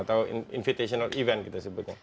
atau invitational event kita sebutnya